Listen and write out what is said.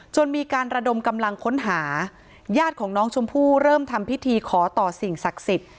มีการระดมกำลังค้นหาญาติของน้องชมพู่เริ่มทำพิธีขอต่อสิ่งศักดิ์สิทธิ์